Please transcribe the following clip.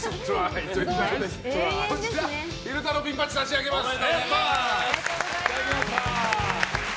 昼太郎ピンバッジを差し上げます。